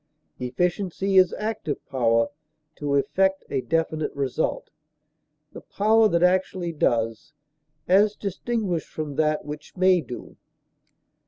Efficiency is active power to effect a definite result, the power that actually does, as distinguished from that which may do.